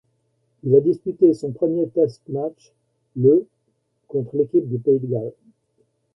Il a disputé son premier test match le contre l'équipe du pays de Galles.